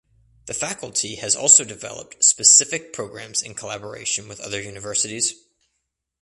The faculty has also developed specific programs in collaboration with other universities.